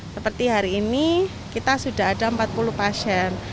seperti hari ini kita sudah ada empat puluh pasien